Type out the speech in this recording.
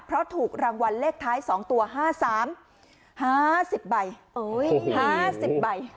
เพราะถูกรางวัลเลขท้ายสองตัวห้าสามห้าสิบใบห้าสิบใบ